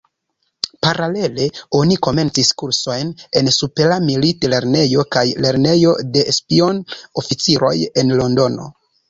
Paralele oni komencis kursojn en Supera Milit-Lernejo kaj Lernejo de Spion-Oficiroj en Londono.